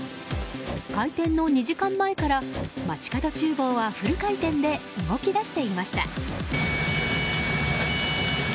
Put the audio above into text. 開店の２時間前からまちかど厨房はフル回転で動き出していました。